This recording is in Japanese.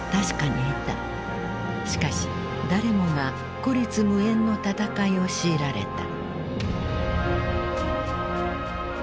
しかし誰もが孤立無援の戦いを強いられた。